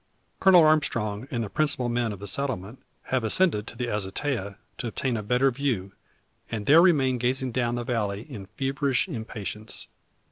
Colonel Armstrong, and the principal men of the settlement, have ascended to the azotea to obtain a better view; and there remain gazing down the valley in feverish impatience.